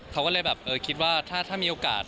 เขาก็เลยคิดว่าถ้ามีโอกาส